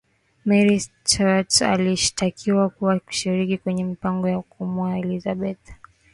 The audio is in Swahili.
mary stuart alishtakiwa kwa kushiriki kwenye mipango ya kumwua elizabeth